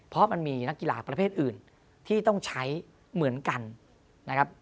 เพราะมันมีนักกีฬาประเภทอื่นที่ต้องใช้เหมือนกันนะครับ